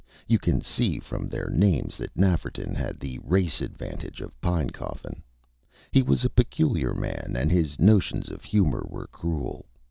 You can see from their names that Nafferton had the race advantage of Pinecoffin. He was a peculiar man, and his notions of humor were cruel.